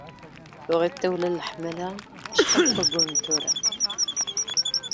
Tuɣ-it tawla n leḥmala acḥal n wagguren tura.